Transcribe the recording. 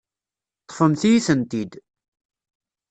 Ṭṭfemt-iyi-tent-id.